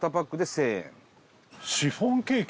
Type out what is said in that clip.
富澤：シフォンケーキ？